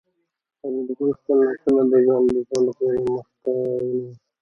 فریدګل خپل لاسونه د ځان د دفاع لپاره مخ ته ونیول